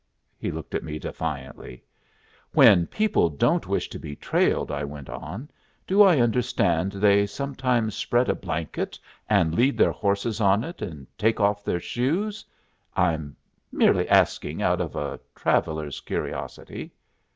He looked at me defiantly. "When people don't wish to be trailed," I went on, "do I understand they sometimes spread a blanket and lead their horses on it and take off their shoes? I'm merely asking out of a traveller's curiosity."